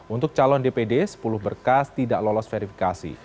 untuk calon dpd sepuluh berkas tidak lolos verifikasi